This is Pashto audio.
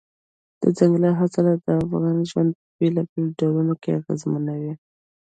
دځنګل حاصلات د افغانانو ژوند په بېلابېلو ډولونو اغېزمنوي.